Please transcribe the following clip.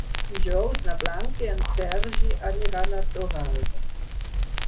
Dijous na Blanca i en Sergi aniran a Torralba.